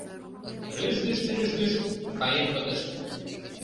Рӱжгышт, рӱжгышт — каен пытышт.